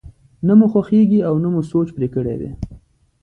نه مو خوښېږي او نه مو سوچ پرې کړی دی.